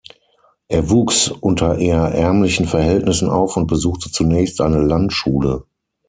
Er wuchs unter eher ärmlichen Verhältnissen auf und besuchte zunächst eine Landschule.